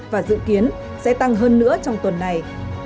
và dự kiến sẽ tăng hơn nữa trong tuần này